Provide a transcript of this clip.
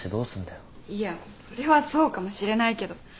いやそれはそうかもしれないけど。